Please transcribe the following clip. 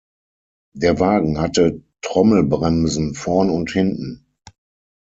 Der Wagen hatte Trommelbremsen vorn und hinten.